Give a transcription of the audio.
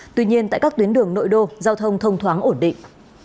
tuy nhiên tại các tuyến đường nội đô giao thông thông thoáng ổn định